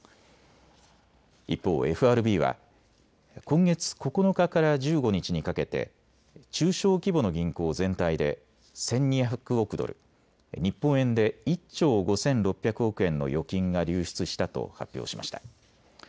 一方、ＦＲＢは今月９日から１５日にかけて中小規模の銀行全体で１２００億ドル、日本円で１兆５６００億円の預金が流出したと発表しました。